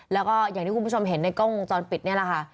แล้วก็อย่างที่คุณผู้ชมเห็นในกล้องวงจรปิดนี่แหละค่ะ